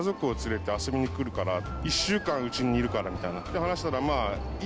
で話したらまぁ。